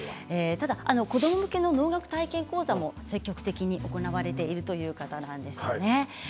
ただ子ども向けの能楽体験講座も積極的に行われている方です。